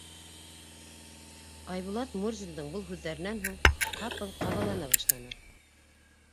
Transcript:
Айбулат Мурзиндың был һүҙҙәренән һуң ҡапыл ҡабалана башланы.